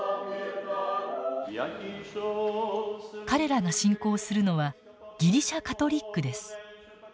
彼らが信仰するのはギリシャ・カトリックです。